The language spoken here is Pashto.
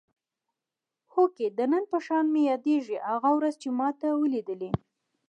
هوکې د نن په شان مې یادېږي هغه ورځ چې ما ته ولیدلې.